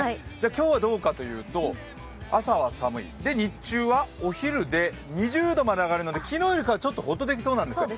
今日はどうかというと、朝は寒い、で、日中はお昼で２０度まで上がりますから昨日よりかは、ちょっとホッとできそうなんですよ。